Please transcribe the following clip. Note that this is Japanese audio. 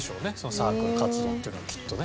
サークル活動っていうのはきっとね。